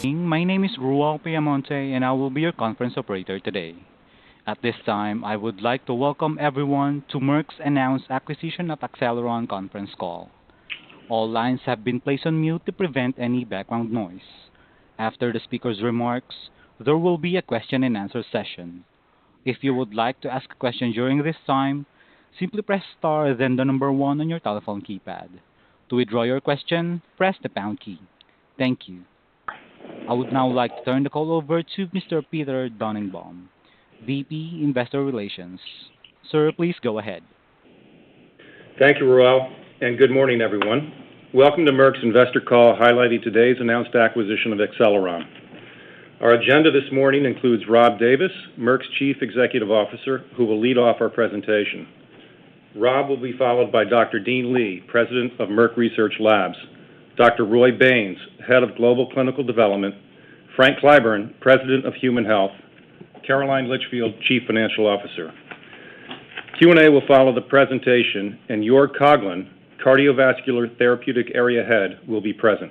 Good morning. My name is Raul Peamonte, and I will be your conference operator today. At this time, I would like to welcome everyone to Merck's Announced Acquisition of Acceleron conference call. All lines have been placed on mute to prevent any background noise. After the speaker's remarks, there will be a question and answer session. If you would like to ask a question during this time, simply press star, then number one on your telephone keypad. To withdraw your question, press the pound key. Thank you. I would now like to turn the call over to Mr. Peter Dannenbaum, VP Investor Relations. Sir, please go ahead. Thank you, Raul. Good morning, everyone. Welcome to Merck's investor call highlighting today's announced acquisition of Acceleron. Our agenda this morning includes Rob Davis, Merck's Chief Executive Officer, who will lead off our presentation. Rob will be followed by Dr. Dean Li, President, Merck Research Laboratories, Dr. Roy Baynes, Head of Global Clinical Development, Frank Clyburn, President, Human Health, Caroline Litchfield, Chief Financial Officer. Q&A will follow the presentation, and Joerg Koglin, Cardiovascular Therapeutic Area Head, will be present.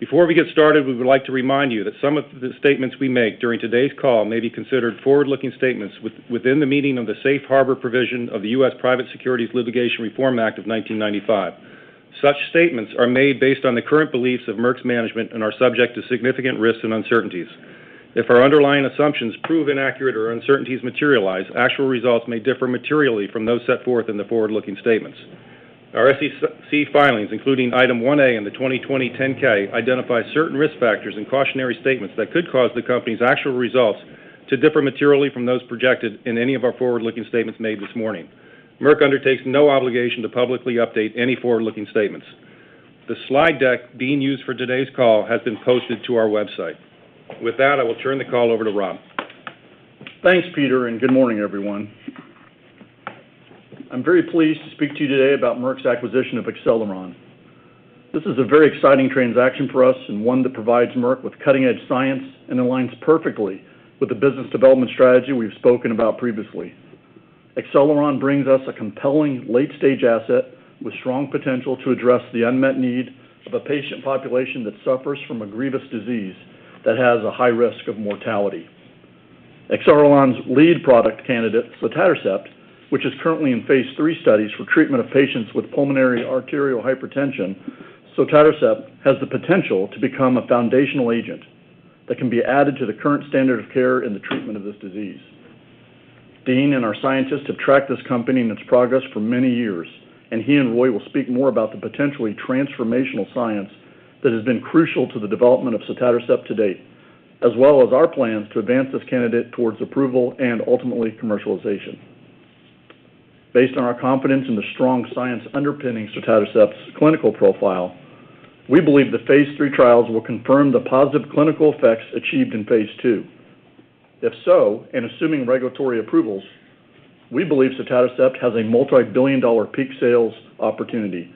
Before we get started, we would like to remind you that some of the statements we make during today's call may be considered forward-looking statements within the meaning of the Safe Harbor provision of the U.S. Private Securities Litigation Reform Act of 1995. Such statements are made based on the current beliefs of Merck's management and are subject to significant risks and uncertainties. If our underlying assumptions prove inaccurate or uncertainties materialize, actual results may differ materially from those set forth in the forward-looking statements. Our SEC filings, including Item 1A in the 2020 10-K, identify certain risk factors and cautionary statements that could cause the company's actual results to differ materially from those projected in any of our forward-looking statements made this morning. Merck undertakes no obligation to publicly update any forward-looking statements. The slide deck being used for today's call has been posted to our website. With that, I will turn the call over to Rob. Thanks, Peter. Good morning, everyone. I'm very pleased to speak to you today about Merck's acquisition of Acceleron. This is a very exciting transaction for us and one that provides Merck with cutting-edge science and aligns perfectly with the business development strategy we've spoken about previously. Acceleron brings us a compelling late-stage asset with strong potential to address the unmet need of a patient population that suffers from a grievous disease that has a high risk of mortality. Acceleron's lead product candidate, sotatercept, which is currently in phase III studies for treatment of patients with pulmonary arterial hypertension. Sotatercept has the potential to become a foundational agent that can be added to the current standard of care in the treatment of this disease. Dean and our scientists have tracked this company and its progress for many years, and he and Roy will speak more about the potentially transformational science that has been crucial to the development of sotatercept to date, as well as our plans to advance this candidate towards approval and ultimately commercialization. Based on our confidence in the strong science underpinning sotatercept's clinical profile, we believe that phase III trials will confirm the positive clinical effects achieved in phase II. If so, and assuming regulatory approvals, we believe sotatercept has a multi-billion-dollar peak sales opportunity,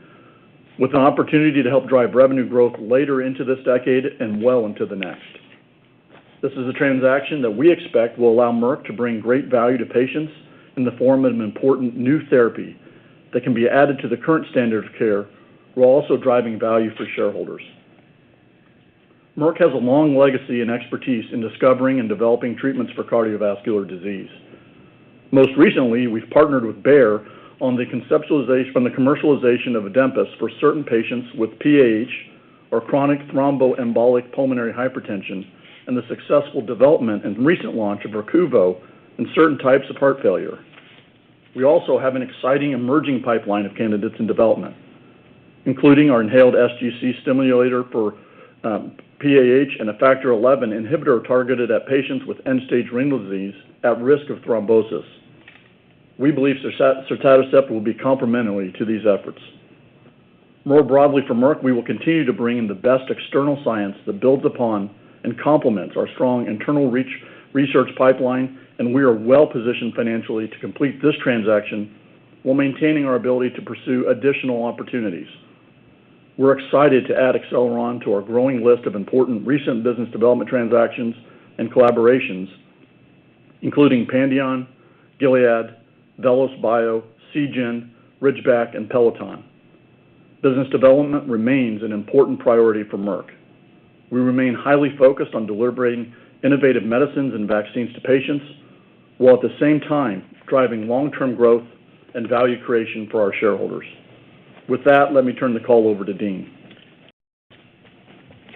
with an opportunity to help drive revenue growth later into this decade and well into the next. This is a transaction that we expect will allow Merck to bring great value to patients in the form of an important new therapy that can be added to the current standard of care, while also driving value for shareholders. Merck has a long legacy and expertise in discovering and developing treatments for cardiovascular disease. Most recently, we've partnered with Bayer on the commercialization of ADEMPAS for certain patients with PAH, or chronic thromboembolic pulmonary hypertension, and the successful development and recent launch of VERQUVO in certain types of heart failure. We also have an exciting emerging pipeline of candidates in development, including our inhaled sGC stimulator for PAH and a Factor XI inhibitor targeted at patients with end-stage renal disease at risk of thrombosis. We believe sotatercept will be complementary to these efforts. More broadly for Merck, we will continue to bring in the best external science that builds upon and complements our strong internal research pipeline, and we are well-positioned financially to complete this transaction while maintaining our ability to pursue additional opportunities. We're excited to add Acceleron to our growing list of important recent business development transactions and collaborations, including Pandion, Gilead, VelosBio, Seagen, Ridgeback, and Peloton. Business development remains an important priority for Merck. We remain highly focused on delivering innovative medicines and vaccines to patients, while at the same time driving long-term growth and value creation for our shareholders. With that, let me turn the call over to Dean.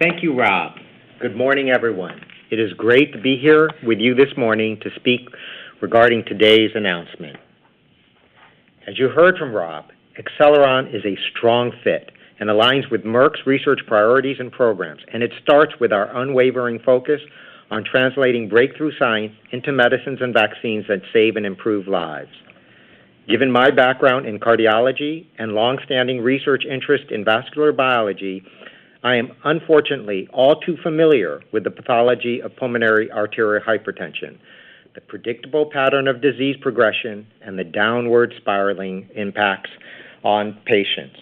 Thank you, Rob. Good morning, everyone. It is great to be here with you this morning to speak regarding today's announcement. As you heard from Rob, Acceleron is a strong fit and aligns with Merck's research priorities and programs, and it starts with our unwavering focus on translating breakthrough science into medicines and vaccines that save and improve lives. Given my background in cardiology and long-standing research interest in vascular biology, I am unfortunately all too familiar with the pathology of pulmonary arterial hypertension, the predictable pattern of disease progression, and the downward spiraling impacts on patients.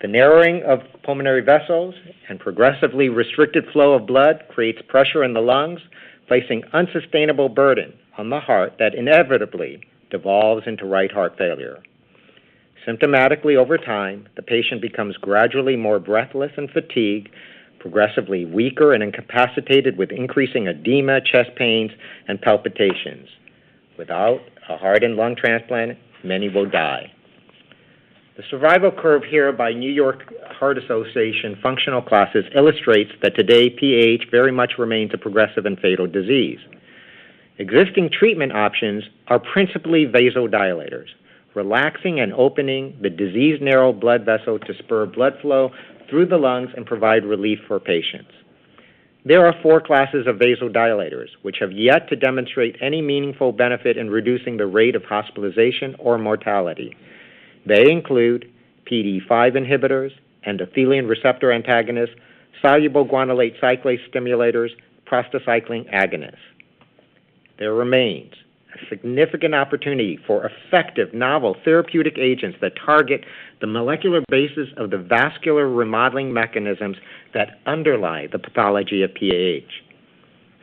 The narrowing of pulmonary vessels and progressively restricted flow of blood creates pressure in the lungs, placing unsustainable burden on the heart that inevitably devolves into right heart failure. Symptomatically over time, the patient becomes gradually more breathless and fatigued, progressively weaker and incapacitated with increasing edema, chest pains, and palpitations. Without a heart and lung transplant, many will die. The survival curve here by New York Heart Association functional classes illustrates that today, PAH very much remains a progressive and fatal disease. Existing treatment options are principally vasodilators, relaxing and opening the diseased narrow blood vessel to spur blood flow through the lungs and provide relief for patients. There are four classes of vasodilators, which have yet to demonstrate any meaningful benefit in reducing the rate of hospitalization or mortality. They include PDE5 inhibitors, endothelin receptor antagonists, soluble guanylate cyclase stimulators, prostacyclin agonists. There remains a significant opportunity for effective novel therapeutic agents that target the molecular basis of the vascular remodeling mechanisms that underlie the pathology of PAH.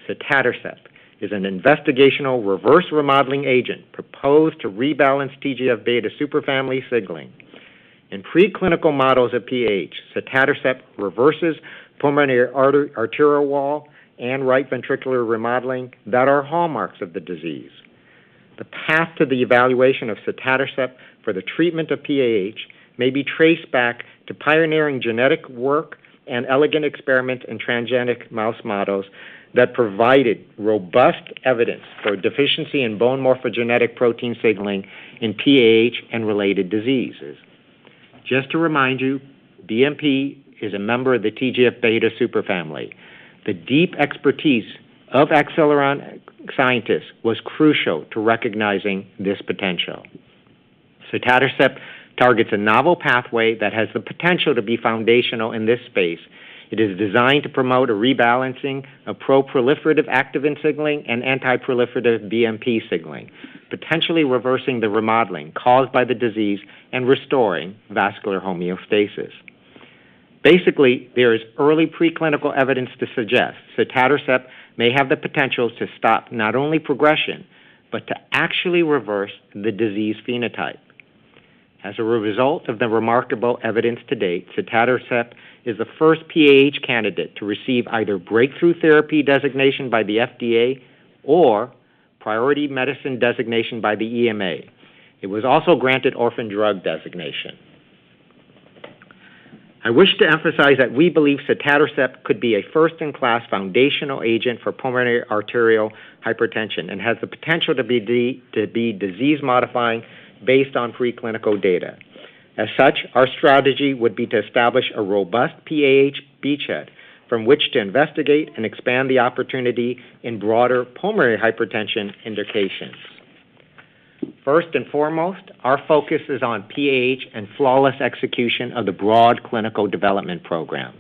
Sotatercept is an investigational reverse remodeling agent proposed to rebalance TGF-beta superfamily signaling. In pre-clinical models of PAH, sotatercept reverses pulmonary arterial wall and right ventricular remodeling that are hallmarks of the disease. The path to the evaluation of sotatercept for the treatment of PAH may be traced back to pioneering genetic work and elegant experiments in transgenic mouse models that provided robust evidence for deficiency in bone morphogenetic protein signaling in PAH and related diseases. Just to remind you, BMP is a member of the TGF-beta superfamily. The deep expertise of Acceleron scientists was crucial to recognizing this potential. Sotatercept targets a novel pathway that has the potential to be foundational in this space. It is designed to promote a rebalancing of pro-proliferative activin signaling and anti-proliferative BMP signaling, potentially reversing the remodeling caused by the disease and restoring vascular homeostasis. Basically, there is early pre-clinical evidence to suggest sotatercept may have the potential to stop not only progression but to actually reverse the disease phenotype. As a result of the remarkable evidence to date, sotatercept is the first PAH candidate to receive either breakthrough therapy designation by the FDA or priority medicine designation by the EMA. It was also granted orphan drug designation. I wish to emphasize that we believe sotatercept could be a first-in-class foundational agent for pulmonary arterial hypertension and has the potential to be disease-modifying based on pre-clinical data. As such, our strategy would be to establish a robust PAH beachhead from which to investigate and expand the opportunity in broader pulmonary hypertension indications. First and foremost, our focus is on PAH and flawless execution of the broad clinical development program.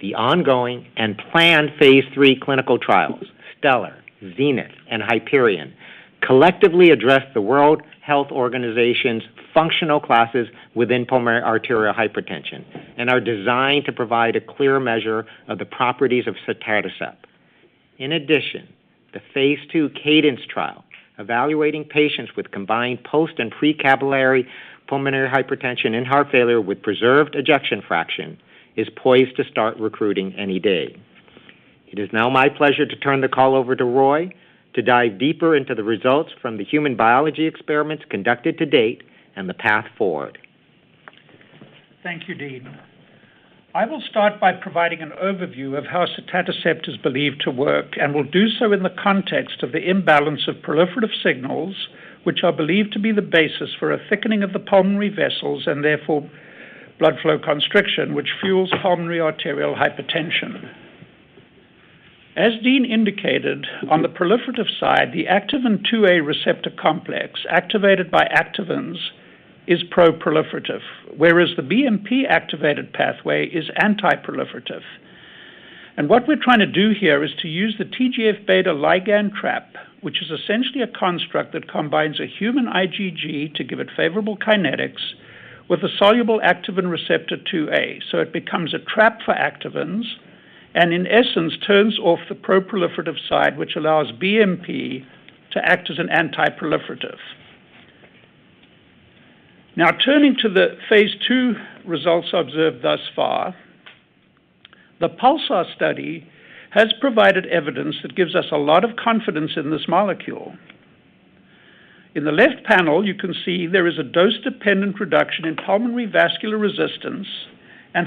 The ongoing and planned phase III clinical trials, STELLAR, ZENITH, and HYPERION, collectively address the World Health Organization's functional classes within pulmonary arterial hypertension and are designed to provide a clear measure of the properties of sotatercept. In addition, the Phase 2 CADENCE trial, evaluating patients with combined post- and pre-capillary pulmonary hypertension and heart failure with preserved ejection fraction, is poised to start recruiting any day. It is now my pleasure to turn the call over to Roy to dive deeper into the results from the human biology experiments conducted to date and the path forward. Thank you, Dean. I will start by providing an overview of how sotatercept is believed to work and will do so in the context of the imbalance of proliferative signals, which are believed to be the basis for a thickening of the pulmonary vessels and therefore blood flow constriction, which fuels pulmonary arterial hypertension. As Dean indicated, on the proliferative side, the activin IIA receptor complex activated by activins is pro-proliferative, whereas the BMP-activated pathway is anti-proliferative. What we're trying to do here is to use the TGF-beta ligand trap, which is essentially a construct that combines a human IgG to give it favorable kinetics with a soluble activin receptor IIA. It becomes a trap for activins and in essence, turns off the pro-proliferative side, which allows BMP to act as an anti-proliferative. Turning to the phase II results observed thus far, the PULSAR study has provided evidence that gives us a lot of confidence in this molecule. In the left panel, you can see there is a dose-dependent reduction in pulmonary vascular resistance.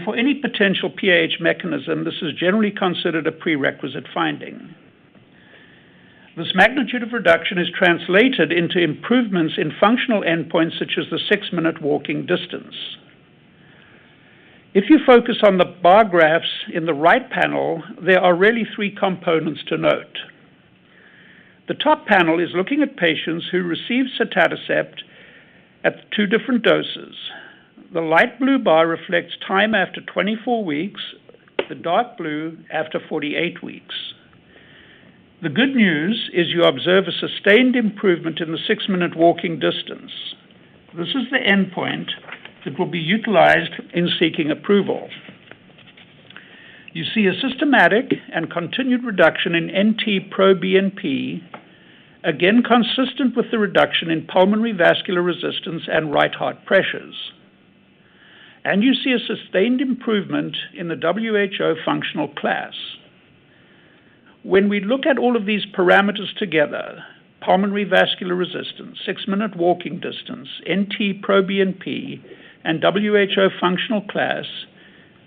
For any potential PAH mechanism, this is generally considered a prerequisite finding. This magnitude of reduction is translated into improvements in functional endpoints such as the six-minute walking distance. If you focus on the bar graphs in the right panel, there are really three components to note. The top panel is looking at patients who received sotatercept at two different doses. The light blue bar reflects time after 24 weeks, the dark blue after 48 weeks. The good news is you observe a sustained improvement in the six-minute walking distance. This is the endpoint that will be utilized in seeking approval. You see a systematic and continued reduction in NT-proBNP, again consistent with the reduction in pulmonary vascular resistance and right heart pressures. You see a sustained improvement in the WHO functional class. When we look at all of these parameters together, pulmonary vascular resistance, six-minute walking distance, NT-proBNP, and WHO functional class,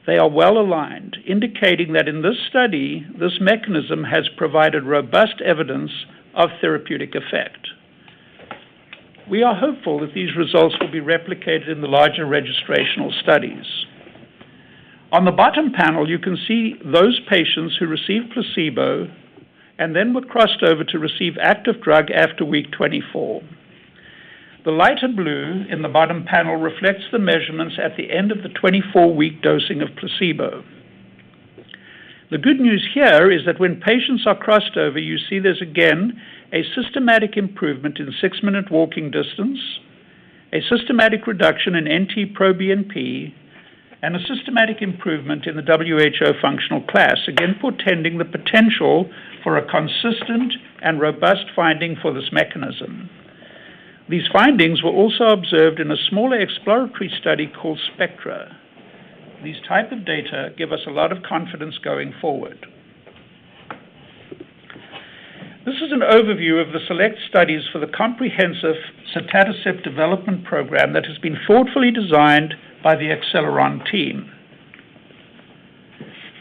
they are well-aligned, indicating that in this study, this mechanism has provided robust evidence of therapeutic effect. We are hopeful that these results will be replicated in the larger registrational studies. On the bottom panel, you can see those patients who received placebo and then were crossed over to receive active drug after week 24. The lighter blue in the bottom panel reflects the measurements at the end of the 24-week dosing of placebo. The good news here is that when patients are crossed over, you see there's again a systematic improvement in six-minute walking distance, a systematic reduction in NT-proBNP, and a systematic improvement in the WHO functional class, again portending the potential for a consistent and robust finding for this mechanism. These findings were also observed in a smaller exploratory study called SPECTRA. These type of data give us a lot of confidence going forward. This is an overview of the select studies for the comprehensive sotatercept development program that has been thoughtfully designed by the Acceleron team.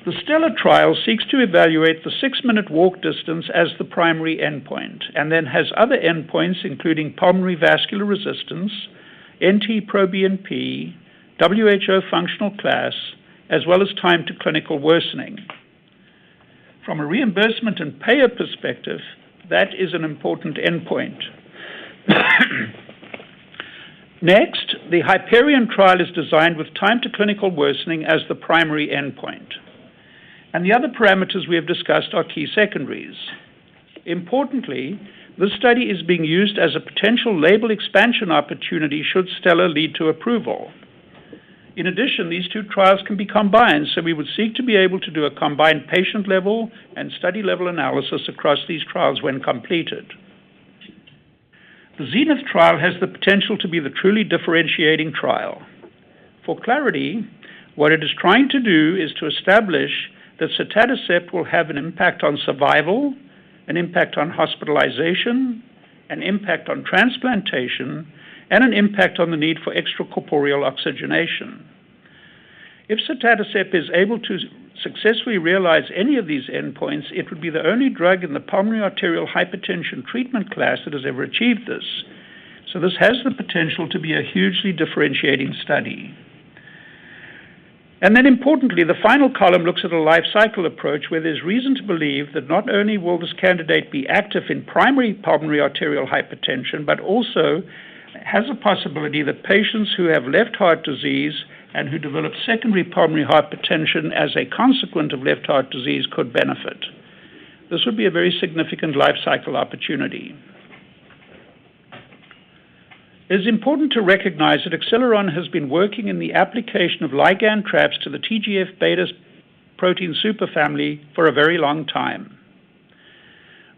The STELLAR trial seeks to evaluate the six-minute walk distance as the primary endpoint, and then has other endpoints, including pulmonary vascular resistance, NT-proBNP, WHO functional class, as well as time to clinical worsening. From a reimbursement and payer perspective, that is an important endpoint. The HYPERION trial is designed with time to clinical worsening as the primary endpoint, and the other parameters we have discussed are key secondaries. Importantly, this study is being used as a potential label expansion opportunity should STELLAR lead to approval. In addition, these two trials can be combined, we would seek to be able to do a combined patient-level and study-level analysis across these trials when completed. The ZENITH trial has the potential to be the truly differentiating trial. For clarity, what it is trying to do is to establish that sotatercept will have an impact on survival, an impact on hospitalization, an impact on transplantation, and an impact on the need for extracorporeal oxygenation. If sotatercept is able to successfully realize any of these endpoints, it would be the only drug in the pulmonary arterial hypertension treatment class that has ever achieved this. This has the potential to be a hugely differentiating study. Importantly, the final column looks at a life cycle approach where there's reason to believe that not only will this candidate be active in primary pulmonary arterial hypertension, but also has a possibility that patients who have left heart disease and who develop secondary pulmonary hypertension as a consequence of left heart disease could benefit. This would be a very significant life cycle opportunity. It is important to recognize that Acceleron has been working in the application of ligand traps to the TGF-beta protein superfamily for a very long time.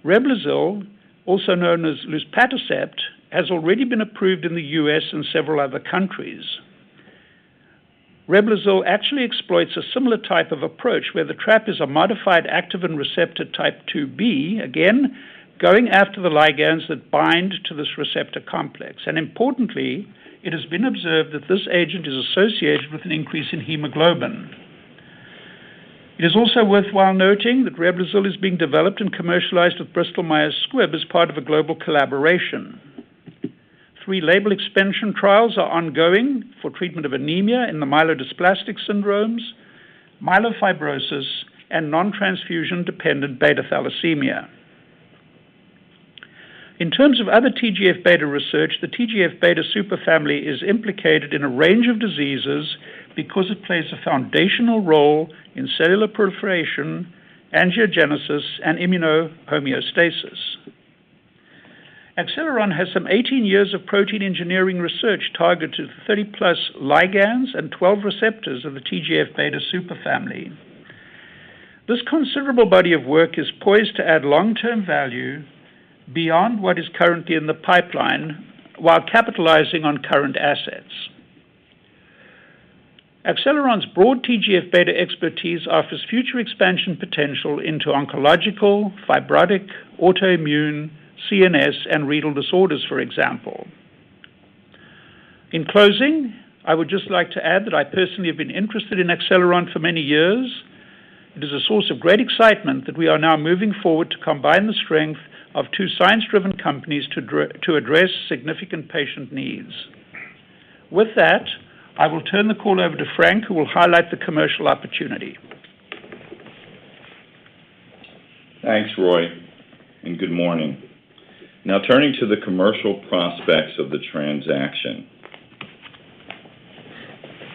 Reblozyl, also known as luspatercept, has already been approved in the U.S. and several other countries. Reblozyl actually exploits a similar type of approach where the trap is a modified activin receptor type IIb, again, going after the ligands that bind to this receptor complex. Importantly, it has been observed that this agent is associated with an increase in hemoglobin. It is also worthwhile noting that Reblozyl is being developed and commercialized with Bristol Myers Squibb as part of a global collaboration. Three label expansion trials are ongoing for treatment of anemia in the myelodysplastic syndromes, myelofibrosis, and non-transfusion dependent beta thalassemia. In terms of other TGF-beta research, the TGF-beta superfamily is implicated in a range of diseases because it plays a foundational role in cellular proliferation, angiogenesis, and immuno homeostasis. Acceleron has some 18 years of protein engineering research targeted 30+ ligands and 12 receptors of the TGF-beta superfamily. This considerable body of work is poised to add long-term value beyond what is currently in the pipeline while capitalizing on current assets. Acceleron's broad TGF-beta expertise offers future expansion potential into oncological, fibrotic, autoimmune, CNS, and renal disorders, for example. In closing, I would just like to add that I personally have been interested in Acceleron for many years. It is a source of great excitement that we are now moving forward to combine the strength of two science-driven companies to address significant patient needs. With that, I will turn the call over to Frank, who will highlight the commercial opportunity. Thanks, Roy. Good morning. Now turning to the commercial prospects of the transaction.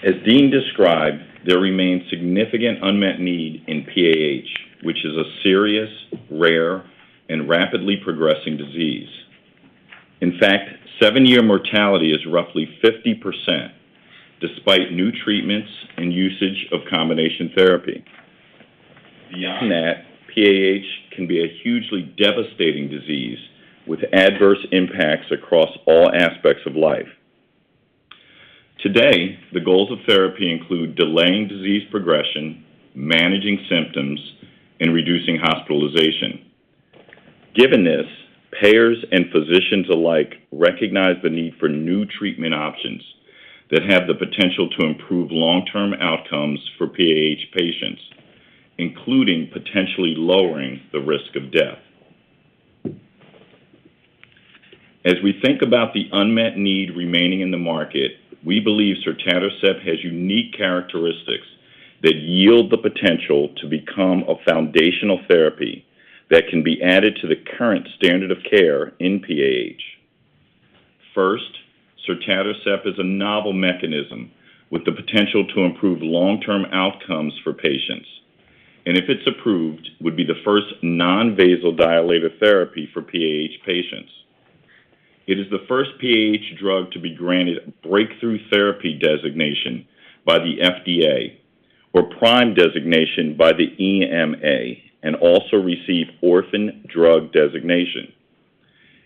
As Dean described, there remains significant unmet need in PAH, which is a serious, rare, and rapidly progressing disease. In fact, seven-year mortality is roughly 50%, despite new treatments and usage of combination therapy. Beyond that, PAH can be a hugely devastating disease with adverse impacts across all aspects of life. Today, the goals of therapy include delaying disease progression, managing symptoms, and reducing hospitalization. Given this, payers and physicians alike recognize the need for new treatment options that have the potential to improve long-term outcomes for PAH patients, including potentially lowering the risk of death. As we think about the unmet need remaining in the market, we believe sotatercept has unique characteristics that yield the potential to become a foundational therapy that can be added to the current standard of care in PAH. Sotatercept is a novel mechanism with the potential to improve long-term outcomes for patients, and if it's approved, would be the first non-vasodilator therapy for PAH patients. It is the first PAH drug to be granted breakthrough therapy designation by the FDA or PRIME designation by the EMA, and also received orphan drug designation.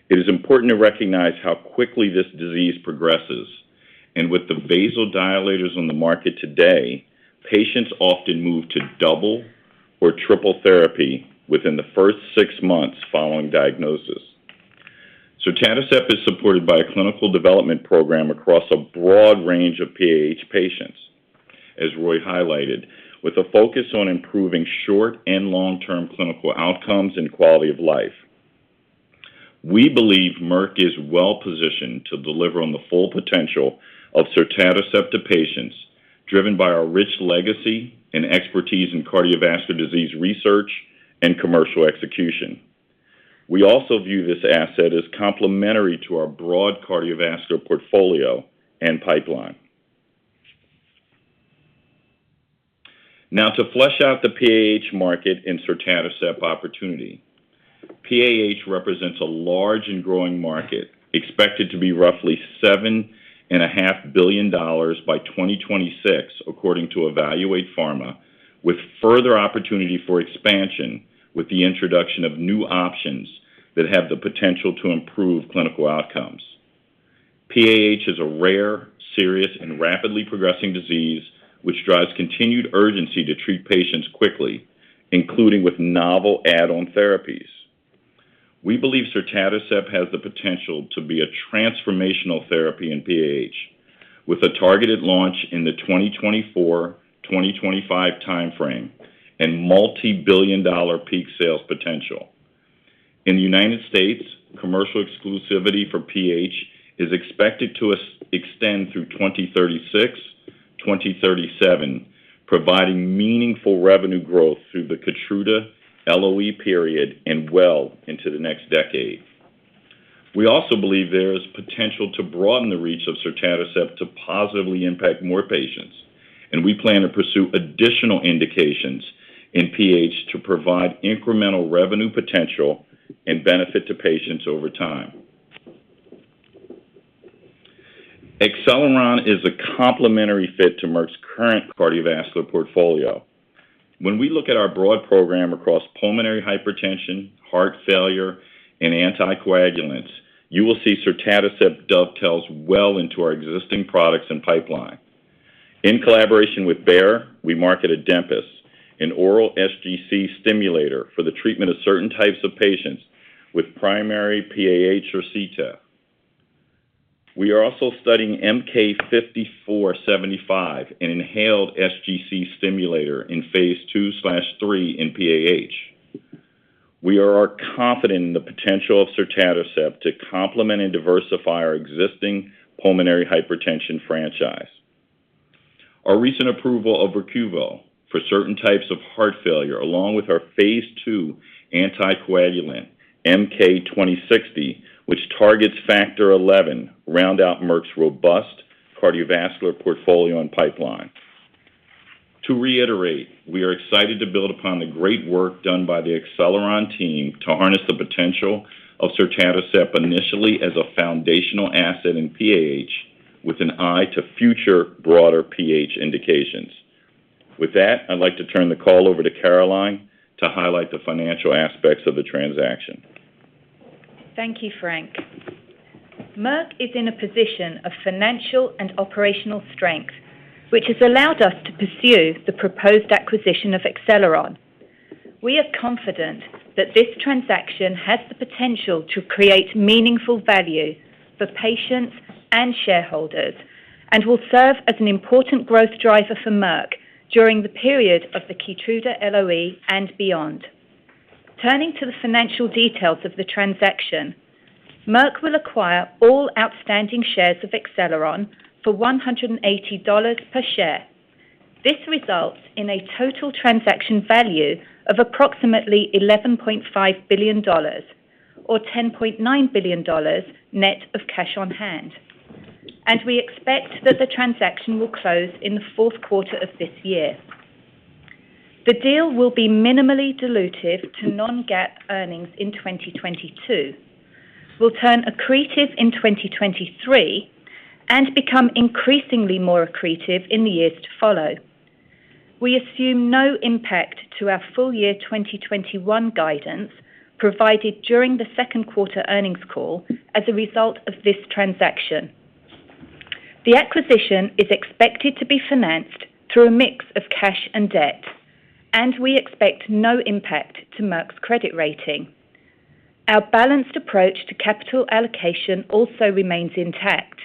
It is important to recognize how quickly this disease progresses, and with the vasodilators on the market today, patients often move to double or triple therapy within the first six months following diagnosis. Sotatercept is supported by a clinical development program across a broad range of PAH patients, as Roy highlighted, with a focus on improving short and long-term clinical outcomes and quality of life. We believe Merck is well-positioned to deliver on the full potential of sotatercept to patients, driven by our rich legacy and expertise in cardiovascular disease research and commercial execution. We also view this asset as complementary to our broad cardiovascular portfolio and pipeline. To flesh out the PAH market and sotatercept opportunity. PAH represents a large and growing market expected to be roughly $7.5 billion by 2026, according to Evaluate Pharma, with further opportunity for expansion with the introduction of new options that have the potential to improve clinical outcomes. PAH is a rare, serious, and rapidly progressing disease, which drives continued urgency to treat patients quickly, including with novel add-on therapies. We believe sotatercept has the potential to be a transformational therapy in PAH, with a targeted launch in the 2024-2025 timeframe and multi-billion-dollar peak sales potential. In the United States, commercial exclusivity for PAH is expected to extend through 2036-2037, providing meaningful revenue growth through the KEYTRUDA LOE period and well into the next decade. We also believe there is potential to broaden the reach of sotatercept to positively impact more patients. We plan to pursue additional indications in PAH to provide incremental revenue potential and benefit to patients over time. Acceleron is a complementary fit to Merck's current cardiovascular portfolio. When we look at our broad program across pulmonary hypertension, heart failure, and anticoagulants, you will see sotatercept dovetails well into our existing products and pipeline. In collaboration with Bayer, we marketed ADEMPAS, an oral SGC stimulator for the treatment of certain types of patients with primary PAH or CTEPH. We are also studying MK-5475, an inhaled SGC stimulator in phase II/III in PAH. We are confident in the potential of sotatercept to complement and diversify our existing pulmonary hypertension franchise. Our recent approval of VERQUVO for certain types of heart failure, along with our phase II anticoagulant, MK-2060, which targets Factor XI, round out Merck's robust cardiovascular portfolio and pipeline. To reiterate, we are excited to build upon the great work done by the Acceleron team to harness the potential of sotatercept initially as a foundational asset in PAH with an eye to future broader PH indications. With that, I'd like to turn the call over to Caroline to highlight the financial aspects of the transaction. Thank you, Frank. Merck is in a position of financial and operational strength, which has allowed us to pursue the proposed acquisition of Acceleron. We are confident that this transaction has the potential to create meaningful value for patients and shareholders and will serve as an important growth driver for Merck during the period of the KEYTRUDA LOE and beyond. Turning to the financial details of the transaction, Merck will acquire all outstanding shares of Acceleron for $180 per share. This results in a total transaction value of approximately $11.5 billion, or $10.9 billion net of cash on hand. We expect that the transaction will close in the fourth quarter of this year. The deal will be minimally dilutive to non-GAAP earnings in 2022, will turn accretive in 2023, and become increasingly more accretive in the years to follow. We assume no impact to our full year 2021 guidance provided during the second quarter earnings call as a result of this transaction. The acquisition is expected to be financed through a mix of cash and debt, and we expect no impact to Merck's credit rating. Our balanced approach to capital allocation also remains intact.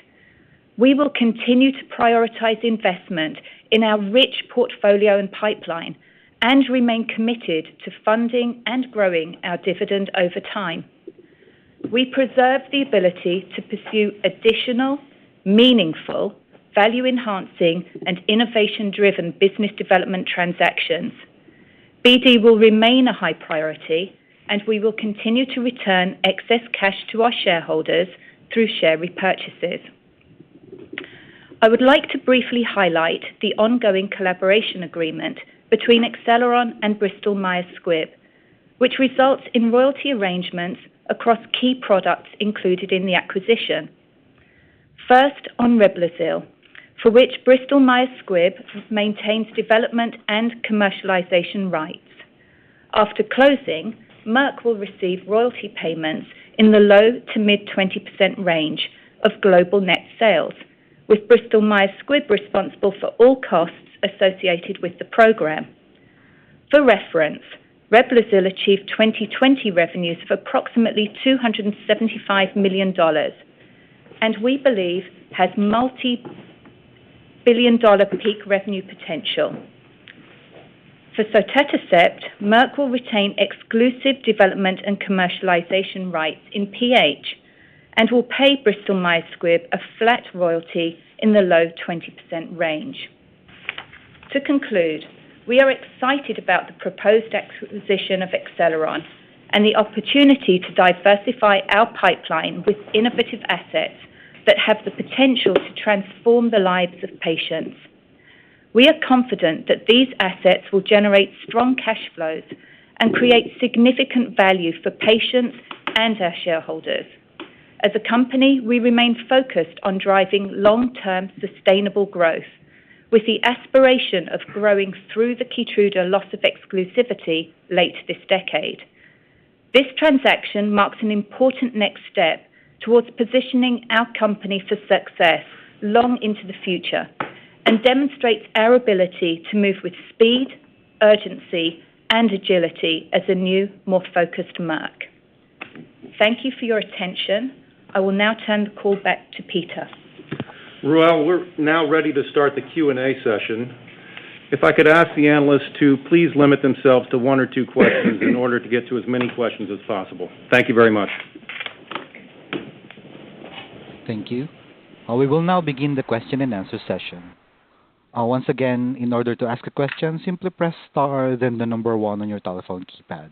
We will continue to prioritize investment in our rich portfolio and pipeline and remain committed to funding and growing our dividend over time. We preserve the ability to pursue additional, meaningful, value-enhancing, and innovation-driven business development transactions. BD will remain a high priority, and we will continue to return excess cash to our shareholders through share repurchases. I would like to briefly highlight the ongoing collaboration agreement between Acceleron and Bristol Myers Squibb, which results in royalty arrangements across key products included in the acquisition. First, on Reblozyl, for which Bristol Myers Squibb maintains development and commercialization rights. After closing, Merck will receive royalty payments in the low to mid 20% range of global net sales, with Bristol Myers Squibb responsible for all costs associated with the program. For reference, Reblozyl achieved 2020 revenues of approximately $275 million, and we believe has multi-billion-dollar peak revenue potential. For sotatercept, Merck will retain exclusive development and commercialization rights in PAH and will pay Bristol Myers Squibb a flat royalty in the low 20% range. To conclude, we are excited about the proposed acquisition of Acceleron and the opportunity to diversify our pipeline with innovative assets that have the potential to transform the lives of patients. We are confident that these assets will generate strong cash flows and create significant value for patients and our shareholders. As a company, we remain focused on driving long-term sustainable growth with the aspiration of growing through the KEYTRUDA loss of exclusivity late this decade. This transaction marks an important next step towards positioning our company for success long into the future and demonstrates our ability to move with speed, urgency, and agility as a new, more focused Merck. Thank you for your attention. I will now turn the call back to Peter. Ruel, we're now ready to start the Q&A session. If I could ask the analysts to please limit themselves to one or two questions in order to get to as many questions as possible. Thank you very much. Thank you. We will now begin the Question and Answer session. Once again, in order to ask a question, simply press star, then the number one on your telephone keypad.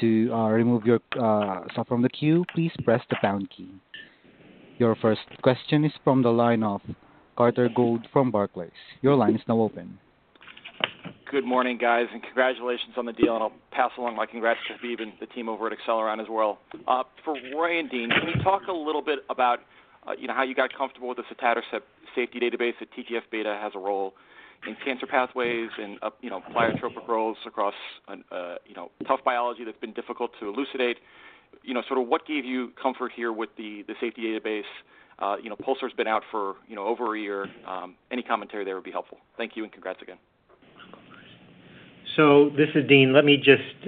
To remove yourself from the queue, please press the pound key. Your first question is from the line of Carter Gould from Barclays. Your line is now open. Good morning, guys, and congratulations on the deal, and I'll pass along my congrats to Habib and the team over at Acceleron as well. For Roy and Dean, can you talk a little bit about how you got comfortable with the sotatercept safety database, the TGF-beta has a role in cancer pathways and pleiotropic roles across tough biology that's been difficult to elucidate. Sort of what gave you comfort here with the safety database? PULSAR's been out for over a year. Any commentary there would be helpful. Thank you, and congrats again. This is Dean. Let me just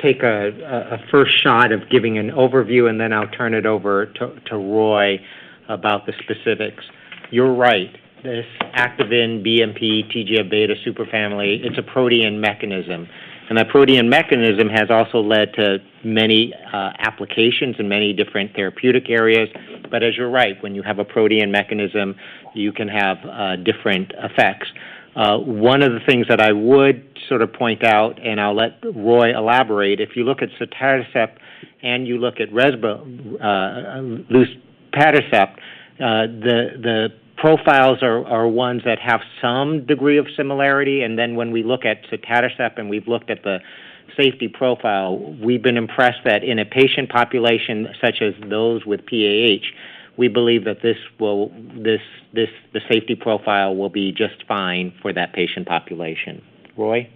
take a first shot of giving an overview, and then I'll turn it over to Roy Baynes about the specifics. You're right. This activin BMP TGF-beta superfamily, it's a protean mechanism. That protean mechanism has also led to many applications in many different therapeutic areas. As you're right, when you have a protean mechanism, you can have different effects. One of the things that I would sort of point out, and I'll let Roy Baynes elaborate, if you look at sotatercept and you look at Reblozyl, the profiles are ones that have some degree of similarity, and then when we look at sotatercept and we've looked at the safety profile, we've been impressed that in a patient population such as those with PAH, we believe that the safety profile will be just fine for that patient population. Roy?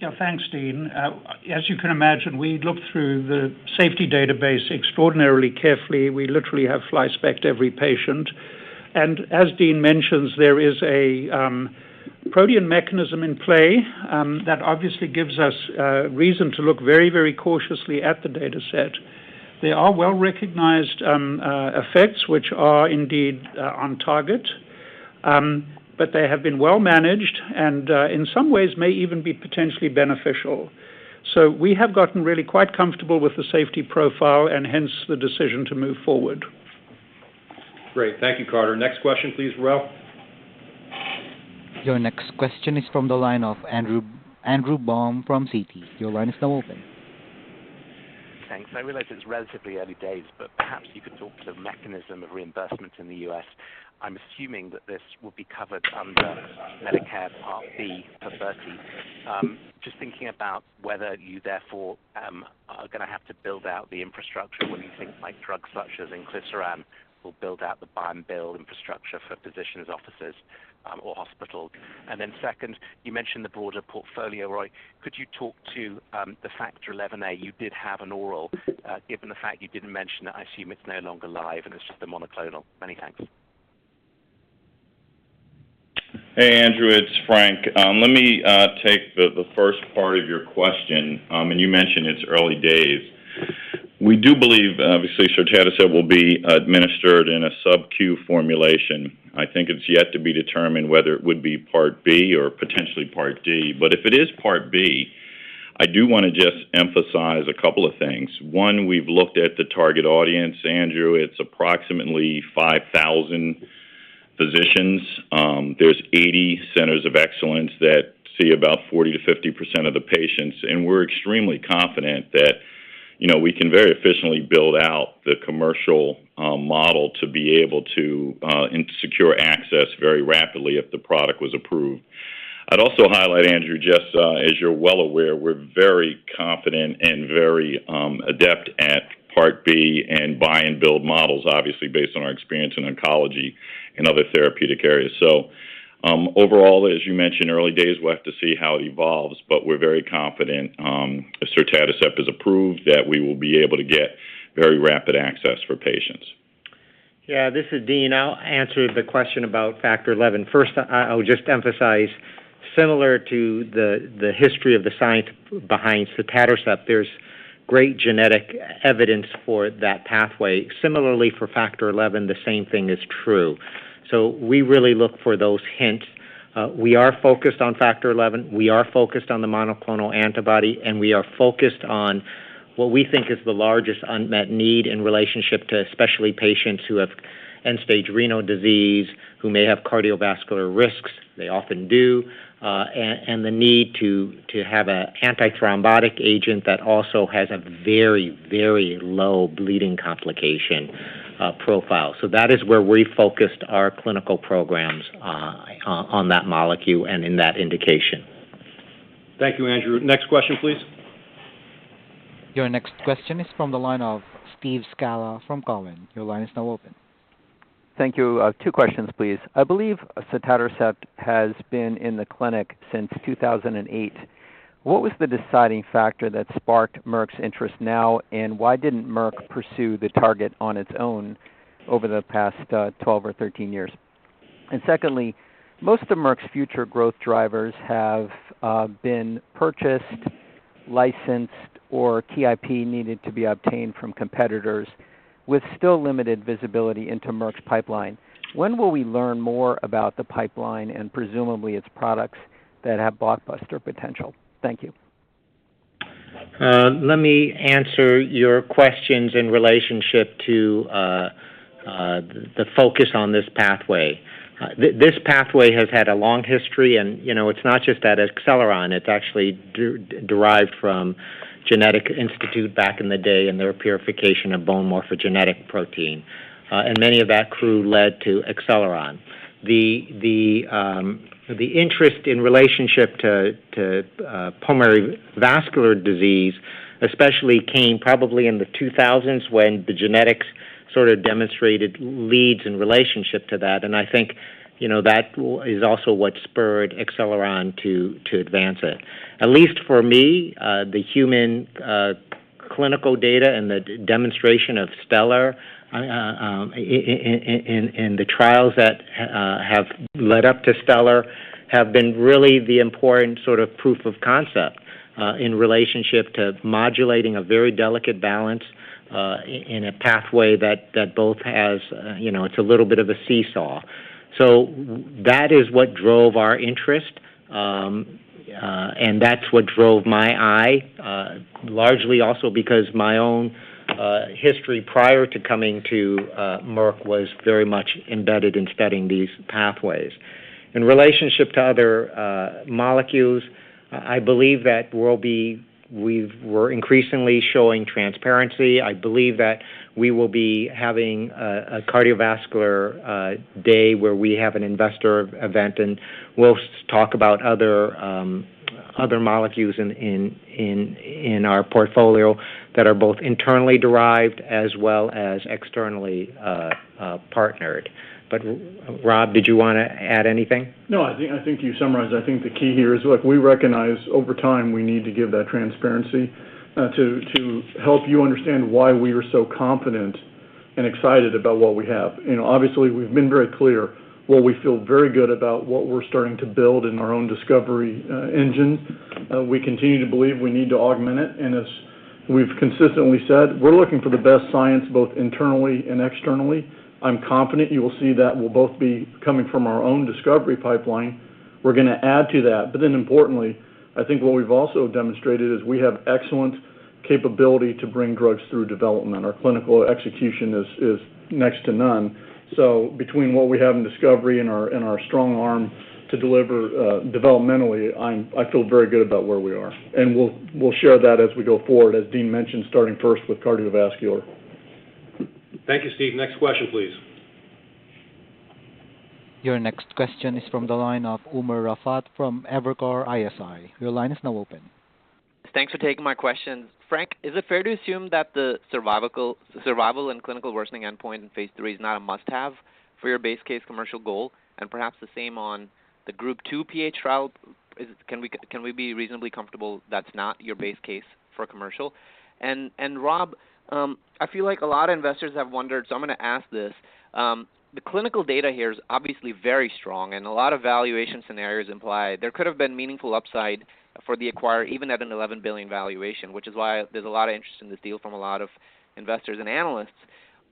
Yeah. Thanks, Dean. As you can imagine, we looked through the safety database extraordinarily carefully. We literally have fly-specked every patient. As Dean mentions, there is a protean mechanism in play that obviously gives us reason to look very cautiously at the data set. There are well-recognized effects which are indeed on target, but they have been well managed and in some ways may even be potentially beneficial. We have gotten really quite comfortable with the safety profile and hence the decision to move forward. Great. Thank you, Carter. Next question, please, Ruel. Your next question is from the line of Andrew Baum from Citi. Your line is now open Thanks. I realize it's relatively early days, perhaps you could talk to the mechanism of reimbursement in the U.S. I'm assuming that this will be covered under Medicare Part B or Part D. Just thinking about whether you therefore are going to have to build out the infrastructure. Whether you think drugs such as inclisiran will build out the buy and bill infrastructure for physicians, offices, or hospitals. Second, you mentioned the broader portfolio, Roy. Could you talk to the Factor XI you did have an oral? Given the fact you didn't mention it, I assume it's no longer live and it's just the monoclonal. Many thanks. Hey, Andrew, it's Frank. Let me take the first part of your question. You mentioned it's early days. We do believe, obviously, sotatercept will be administered in a sub-Q formulation. I think it's yet to be determined whether it would be Part B or potentially Part D. If it is Part B, I do want to just emphasize a couple of things. One, we've looked at the target audience, Andrew. It's approximately 5,000 physicians. There's 80 centers of excellence that see about 40%-50% of the patients, and we're extremely confident that we can very efficiently build out the commercial model to be able to secure access very rapidly if the product was approved. I'd also highlight, Andrew, just as you're well aware, we're very confident and very adept at Part B and buy and bill models, obviously based on our experience in oncology and other therapeutic areas. Overall, as you mentioned, early days, we'll have to see how it evolves, but we're very confident if sotatercept is approved, that we will be able to get very rapid access for patients. Yeah, this is Dean. I will answer the question about Factor 11. First, I will just emphasize, similar to the history of the science behind sotatercept, there is great genetic evidence for that pathway. Similarly, for Factor 11, the same thing is true. We really look for those hints. We are focused on Factor 11, we are focused on the monoclonal antibody, and we are focused on what we think is the largest unmet need in relationship to especially patients who have end-stage renal disease, who may have cardiovascular risks, they often do, and the need to have an antithrombotic agent that also has a very, very low bleeding complication profile. That is where we focused our clinical programs on that molecule and in that indication. Thank you, Andrew. Next question, please. Your next question is from the line of Steve Scala from Cowen. Your line is now open. Thank you. Two questions, please. I believe sotatercept has been in the clinic since 2008. What was the deciding factor that sparked Merck's interest now, and why didn't Merck pursue the target on its own over the past 12 or 13 years? Secondly, most of Merck's future growth drivers have been purchased, licensed, or IP needed to be obtained from competitors with still limited visibility into Merck's pipeline. When will we learn more about the pipeline and presumably its products that have blockbuster potential? Thank you. Let me answer your questions in relationship to the focus on this pathway. This pathway has had a long history, it's not just at Acceleron. It's actually derived from Genetics Institute back in the day and their purification of bone morphogenetic protein. Many of that crew led to Acceleron. The interest in relationship to pulmonary vascular disease especially came probably in the 2000s when the genetics sort of demonstrated leads in relationship to that. I think that is also what spurred Acceleron to advance it. At least for me, the human clinical data and the demonstration of STELLAR in the trials that have led up to STELLAR have been really the important sort of proof of concept in relationship to modulating a very delicate balance in a pathway that both has a little bit of a seesaw. That is what drove our interest, and that's what drove my eye. Largely also because my own history prior to coming to Merck was very much embedded in studying these pathways. In relationship to other molecules, I believe that we're increasingly showing transparency. I believe that we will be having a cardiovascular day where we have an investor event, and we'll talk about other molecules in our portfolio that are both internally derived as well as externally partnered. Rob, did you want to add anything? No, I think you summarized it. I think the key here is, look, we recognize over time we need to give that transparency to help you understand why we are so confident and excited about what we have. Obviously, we've been very clear where we feel very good about what we're starting to build in our own discovery engine. We continue to believe we need to augment it. As we've consistently said, we're looking for the best science both internally and externally. I'm confident you will see that will both be coming from our own discovery pipeline. We're going to add to that. Importantly, I think what we've also demonstrated is we have excellent capability to bring drugs through development. Our clinical execution is next to none. Between what we have in discovery and our strong arm to deliver developmentally, I feel very good about where we are. We'll share that as we go forward, as Dean mentioned, starting first with cardiovascular. Thank you, Steve. Next question, please. Your next question is from the line of Umer Raffat from Evercore ISI. Your line is now open. Thanks for taking my questions. Frank, is it fair to assume that the survival and clinical worsening endpoint in phase III is not a must-have for your base case commercial goal? Perhaps the same on the Group 2 PAH trial. Can we be reasonably comfortable that's not your base case for commercial? Rob, I feel like a lot of investors have wondered, so I'm going to ask this. The clinical data here is obviously very strong and a lot of valuation scenarios imply there could have been meaningful upside for the acquirer even at an $11 billion valuation, which is why there's a lot of interest in this deal from a lot of investors and analysts.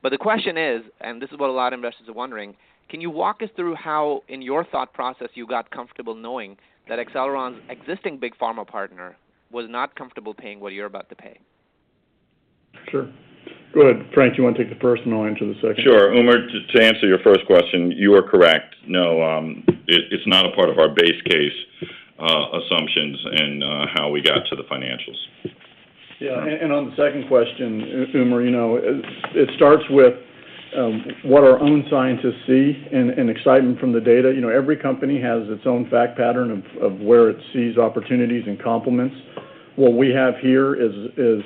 The question is, and this is what a lot of investors are wondering, can you walk us through how in your thought process you got comfortable knowing that Acceleron's existing big pharma partner was not comfortable paying what you're about to pay? Sure. Go ahead, Frank. You want to take the first and I'll answer the second. Sure. Umer, to answer your first question, you are correct. No, it's not a part of our base case assumptions and how we got to the financials. Yeah, on the second question, Umer, it starts with what our own scientists see and excitement from the data. Every company has its own fact pattern of where it sees opportunities and complements. What we have here is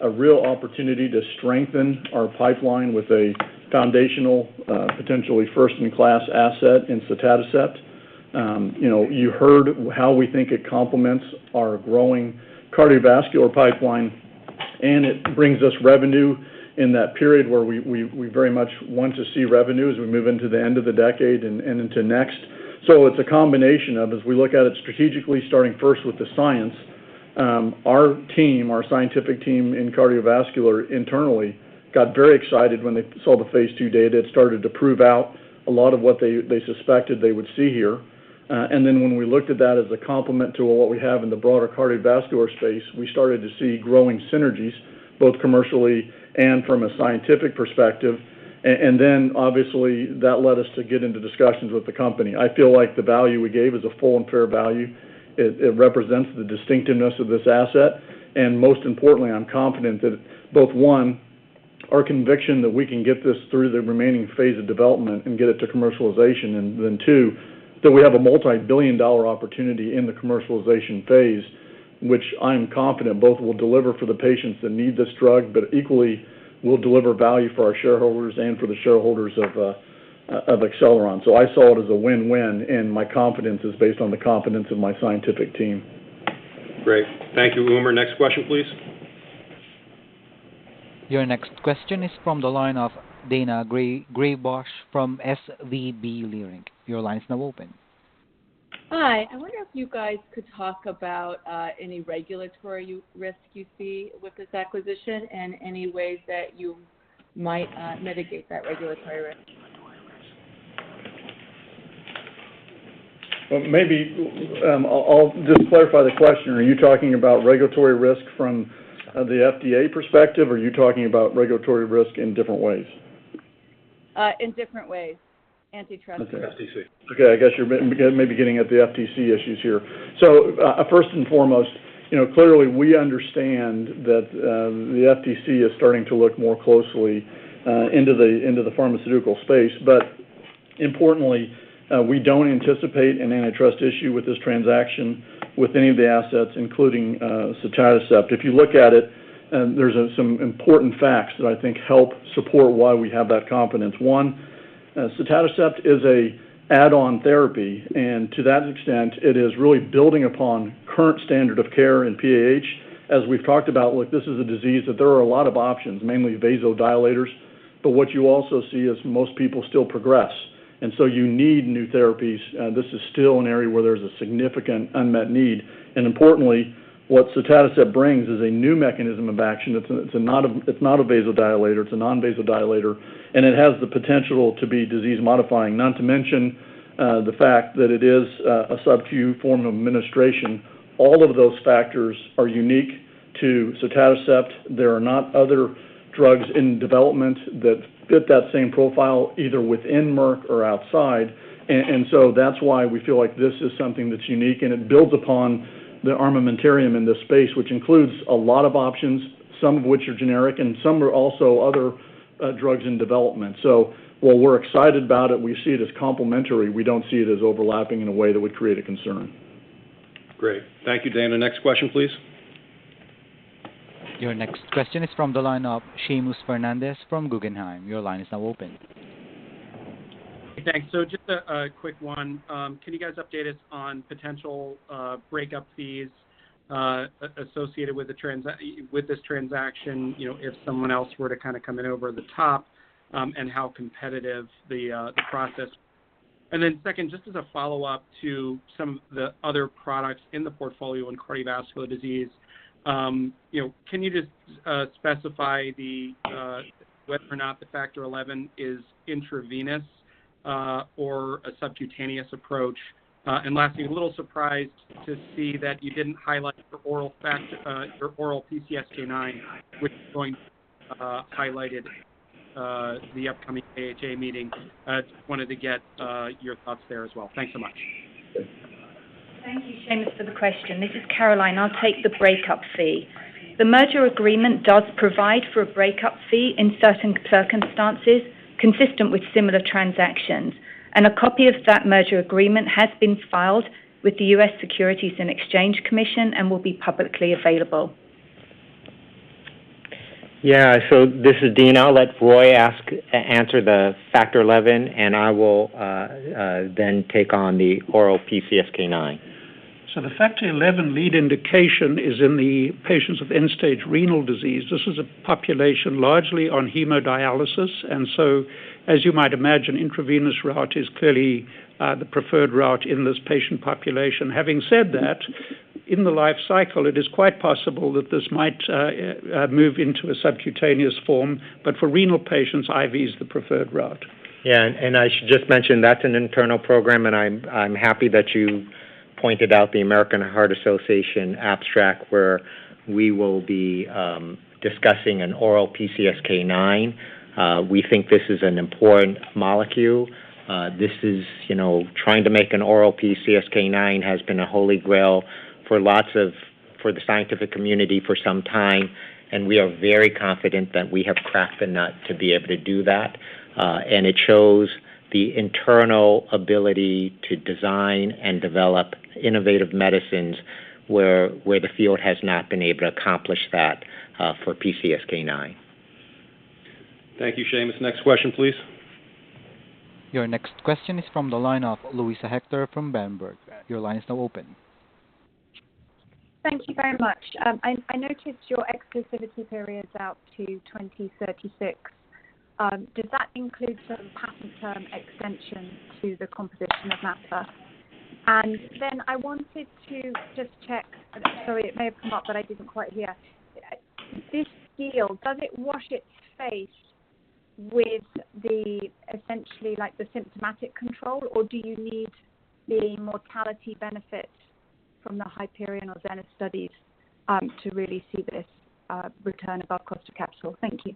a real opportunity to strengthen our pipeline with a foundational, potentially first-in-class asset in sotatercept. You heard how we think it complements our growing cardiovascular pipeline, and it brings us revenue in that period where we very much want to see revenue as we move into the end of the decade and into next. It's a combination of, as we look at it strategically starting first with the science, our scientific team in cardiovascular internally got very excited when they saw the phase II data. It started to prove out a lot of what they suspected they would see here. When we looked at that as a complement to what we have in the broader cardiovascular space, we started to see growing synergies, both commercially and from a scientific perspective. Obviously that led us to get into discussions with the company. I feel like the value we gave is a full and fair value. It represents the distinctiveness of this asset, and most importantly, I'm confident that both, one, our conviction that we can get this through the remaining phase of development and get it to commercialization, and then two, that we have a multi-billion dollar opportunity in the commercialization phase, which I'm confident both will deliver for the patients that need this drug, but equally will deliver value for our shareholders and for the shareholders of Acceleron. I saw it as a win-win, and my confidence is based on the confidence of my scientific team. Great. Thank you, Umer. Next question, please. Your next question is from the line of Daina Graybosch from SVB Leerink. Your line is now open. Hi, I wonder if you guys could talk about any regulatory risk you see with this acquisition and any ways that you might mitigate that regulatory risk? Well, maybe I'll just clarify the question. Are you talking about regulatory risk from the FDA perspective, or are you talking about regulatory risk in different ways? In different ways. Antitrust. The FTC. Okay, I guess you're maybe getting at the FTC issues here. First and foremost, clearly we understand that the FTC is starting to look more closely into the pharmaceutical space. Importantly, we don't anticipate an antitrust issue with this transaction with any of the assets, including sotatercept. If you look at it, there's some important facts that I think help support why we have that confidence. One, sotatercept is an add-on therapy, and to that extent, it is really building upon current standard of care in PAH. As we've talked about, look, this is a disease that there are a lot of options, mainly vasodilators. What you also see is most people still progress, and so you need new therapies. This is still an area where there's a significant unmet need. Importantly, what sotatercept brings is a new mechanism of action. It's not a vasodilator. It's a non-vasodilator, and it has the potential to be disease-modifying. Not to mention the fact that it is a sub-Q form of administration. All of those factors are unique to sotatercept. There are not other drugs in development that fit that same profile, either within Merck or outside. That's why we feel like this is something that's unique and it builds upon the armamentarium in this space, which includes a lot of options, some of which are generic and some are also other drugs in development. While we're excited about it, we see it as complementary. We don't see it as overlapping in a way that would create a concern. Great. Thank you, Daina. Next question, please. Your next question is from the line of Seamus Fernandez from Guggenheim. Your line is now open. Thanks. Just a quick one. Can you guys update us on potential breakup fees associated with this transaction if someone else were to kind of come in over the top? How competitive the process? Second, just as a follow-up to some of the other products in the portfolio on cardiovascular disease, can you just specify whether or not the Factor XI is intravenous or a subcutaneous approach? Lastly, a little surprised to see that you didn't highlight for oral PCSK9, which going highlighted the upcoming AHA meeting. Just wanted to get your thoughts there as well. Thanks so much. Thank you, Seamus, for the question. This is Caroline. I'll take the breakup fee. The merger agreement does provide for a breakup fee in certain circumstances consistent with similar transactions, and a copy of that merger agreement has been filed with the U.S. Securities and Exchange Commission and will be publicly available. Yeah. This is Dean. I'll let Roy answer the Factor XI, and I will then take on the oral PCSK9. The Factor XI lead indication is in the patients with end-stage renal disease. This is a population largely on hemodialysis, and so as you might imagine, intravenous route is clearly the preferred route in this patient population. Having said that, in the life cycle, it is quite possible that this might move into a subcutaneous form, but for renal patients, IV is the preferred route. Yeah, I should just mention that's an internal program. I'm happy that you pointed out the American Heart Association abstract where we will be discussing an oral PCSK9. We think this is an important molecule. Trying to make an oral PCSK9 has been a holy grail for the scientific community for some time. We are very confident that we have cracked the nut to be able to do that. It shows the internal ability to design and develop innovative medicines where the field has not been able to accomplish that for PCSK9. Thank you, Seamus. Next question, please. Your next question is from the line of Luisa Hector from Berenberg. Your line is now open. Thank you very much. I noticed your exclusivity period's out to 2036. Does that include some patent term extension to the composition of matter? I wanted to just check, sorry, it may have come up, but I didn't quite hear. This deal, does it wash its face with the essentially symptomatic control, or do you need the mortality benefit from the HYPERION or ZENITH studies to really see this return above cost a capsule? Thank you.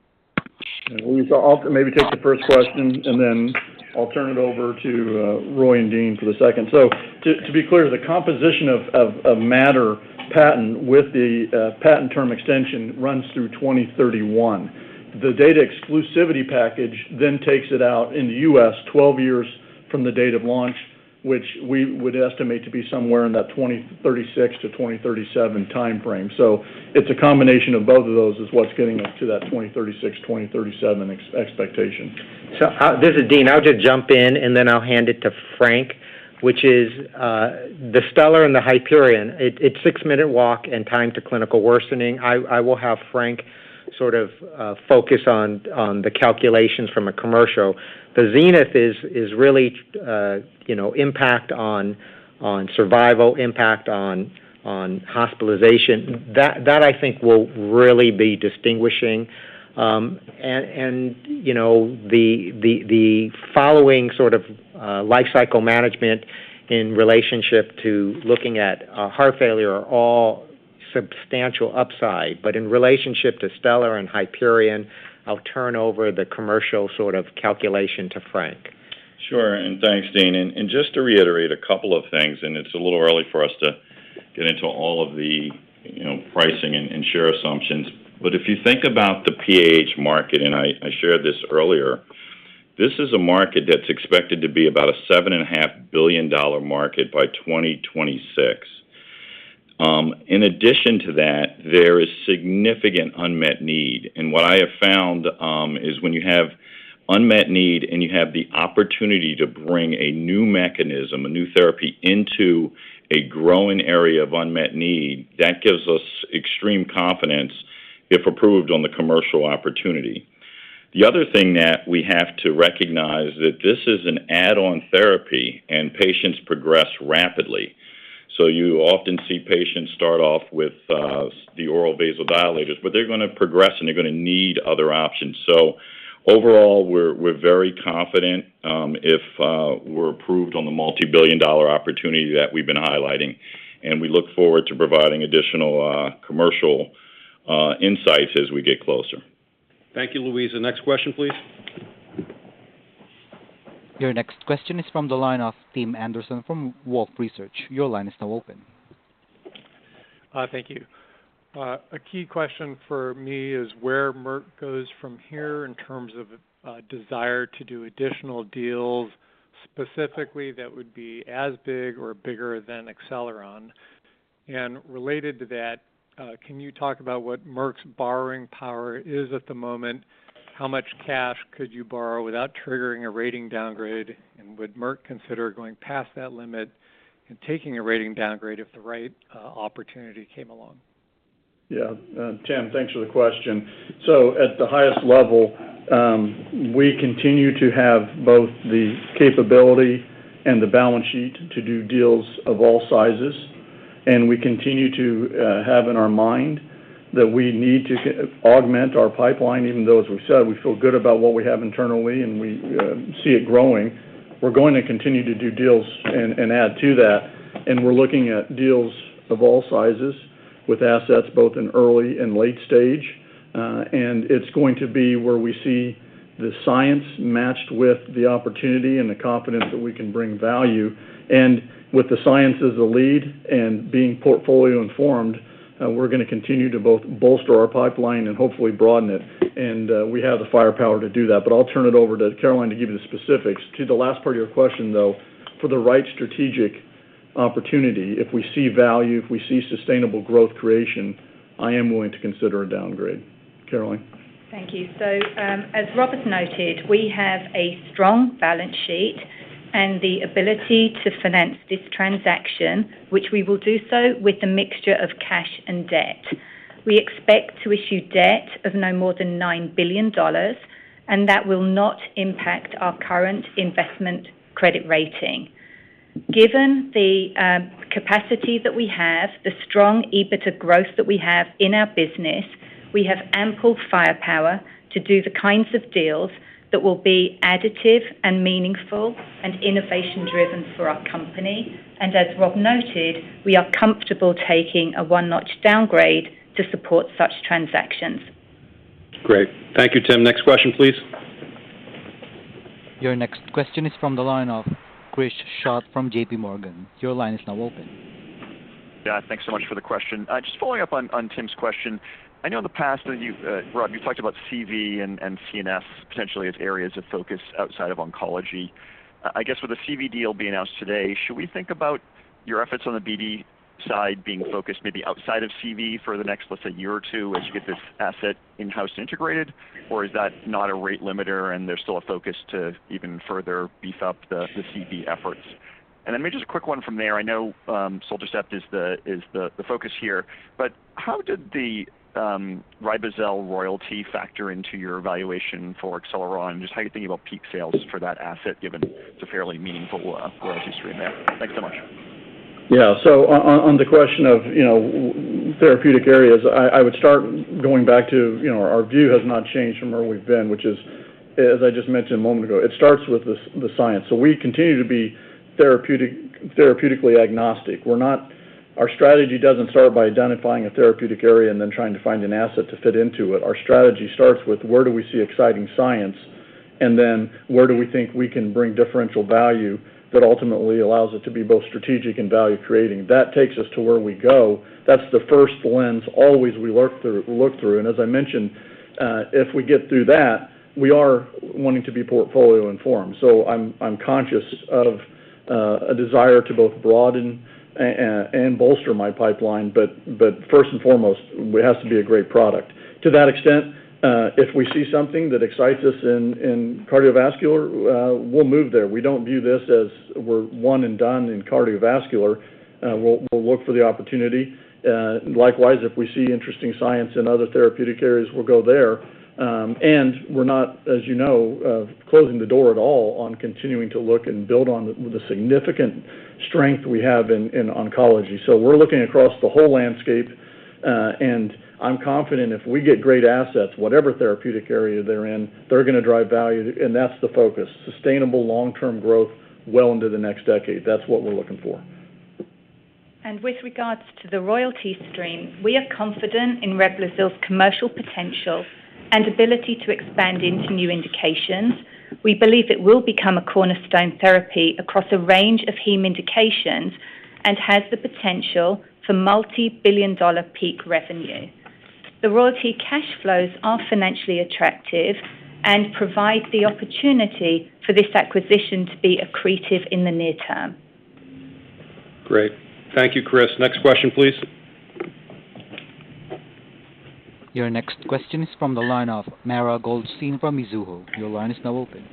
Luisa, I'll maybe take the first question, and then I'll turn it over to Roy and Dean for the second. To be clear, the composition of matter patent with the patent term extension runs through 2031. The data exclusivity package takes it out in the U.S. 12 years from the date of launch, which we would estimate to be somewhere in that 2036 to 2037 timeframe. It's a combination of both of those is what's getting us to that 2036, 2037 expectation. This is Dean. I'll just jump in and then I'll hand it to Frank, which is the STELLAR and the HYPERION. It's six-minute walk and time to clinical worsening. I will have Frank sort of focus on the calculations from a commercial. The ZENITH is really impact on survival, impact on hospitalization. That I think will really be distinguishing. The following sort of life cycle management in relationship to looking at heart failure are all substantial upside. In relationship to STELLAR and HYPERION, I'll turn over the commercial sort of calculation to Frank. Sure, thanks, Dean. Just to reiterate a couple of things, and it's a little early for us to get into all of the pricing and share assumptions. If you think about the PH market, and I shared this earlier, this is a market that's expected to be about a $7.5 billion market by 2026. In addition to that, there is significant unmet need, and what I have found is when you have unmet need and you have the opportunity to bring a new mechanism, a new therapy into a growing area of unmet need, that gives us extreme confidence if approved on the commercial opportunity. The other thing that we have to recognize that this is an add-on therapy and patients progress rapidly. You often see patients start off with the oral vasodilators, but they're going to progress and they're going to need other options. Overall, we're very confident if we're approved on the multi-billion-dollar opportunity that we've been highlighting. We look forward to providing additional commercial insights as we get closer. Thank you, Luisa. Next question, please. Your next question is from the line of Tim Anderson from Wolfe Research. Your line is now open. Thank you. A key question for me is where Merck goes from here in terms of a desire to do additional deals, specifically that would be as big or bigger than Acceleron. Related to that, can you talk about what Merck's borrowing power is at the moment? How much cash could you borrow without triggering a rating downgrade? Would Merck consider going past that limit and taking a rating downgrade if the right opportunity came along? Yeah. Tim, thanks for the question. At the highest level, we continue to have both the capability and the balance sheet to do deals of all sizes, and we continue to have in our mind that we need to augment our pipeline, even though, as we've said, we feel good about what we have internally, and we see it growing. We're going to continue to do deals and add to that, and we're looking at deals of all sizes with assets both in early and late stage. It's going to be where we see the science matched with the opportunity and the confidence that we can bring value. With the science as a lead and being portfolio-informed, we're going to continue to both bolster our pipeline and hopefully broaden it. We have the firepower to do that. I'll turn it over to Caroline to give you the specifics. To the last part of your question, though, for the right strategic opportunity, if we see value, if we see sustainable growth creation, I am willing to consider a downgrade. Caroline? Thank you. As Robert noted, we have a strong balance sheet and the ability to finance this transaction, which we will do so with a mixture of cash and debt. We expect to issue debt of no more than $9 billion. That will not impact our current investment credit rating. Given the capacity that we have, the strong EBITDA growth that we have in our business, we have ample firepower to do the kinds of deals that will be additive and meaningful and innovation-driven for our company. As Rob noted, we are comfortable taking a one-notch downgrade to support such transactions. Great. Thank you, Tim. Next question, please. Your next question is from the line of Chris Schott from JPMorgan. Your line is now open. Yeah. Thanks so much for the question. Just following up on Tim Anderson's question. I know in the past, Rob Davis, you've talked about CV and CNS potentially as areas of focus outside of oncology. I guess with the CV deal being announced today, should we think about your efforts on the BD side being focused maybe outside of CV for the next, let's say, year or two as you get this asset in-house integrated? Is that not a rate limiter and there's still a focus to even further beef up the CV efforts? Maybe just a quick one from there. I know sotatercept is the focus here, how did the Reblozyl royalty factor into your valuation for Acceleron? Just how are you thinking about peak sales for that asset, given it's a fairly meaningful royalty stream there. Thanks so much. Yeah. On the question of therapeutic areas, I would start going back to our view has not changed from where we've been, which is, as I just mentioned a moment ago, it starts with the science. We continue to be therapeutically agnostic. Our strategy doesn't start by identifying a therapeutic area and then trying to find an asset to fit into it. Our strategy starts with where do we see exciting science, and then where do we think we can bring differential value that ultimately allows it to be both strategic and value-creating. That takes us to where we go. That's the first lens always we look through. As I mentioned, if we get through that, we are wanting to be portfolio-informed. I'm conscious of a desire to both broaden and bolster my pipeline. First and foremost, it has to be a great product. To that extent, if we see something that excites us in cardiovascular, we'll move there. We don't view this as we're one and done in cardiovascular. We'll look for the opportunity. Likewise, if we see interesting science in other therapeutic areas, we'll go there. We're not, as you know, closing the door at all on continuing to look and build on the significant strength we have in oncology. We're looking across the whole landscape. I'm confident if we get great assets, whatever therapeutic area they're in, they're going to drive value, and that's the focus. Sustainable long-term growth well into the next decade. That's what we're looking for. With regards to the royalty stream, we are confident in Reblozyl's commercial potential and ability to expand into new indications. We believe it will become a cornerstone therapy across a range of heme indications and has the potential for multi-billion-dollar peak revenue. The royalty cash flows are financially attractive and provide the opportunity for this acquisition to be accretive in the near term. Great. Thank you, Chris. Next question, please. Your next question is from the line of Mara Goldstein from Mizuho. Your line is now open.